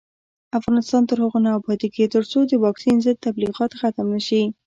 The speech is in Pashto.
افغانستان تر هغو نه ابادیږي، ترڅو د واکسین ضد تبلیغات ختم نشي.